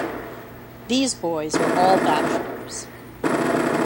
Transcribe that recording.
These boys were all bachelors.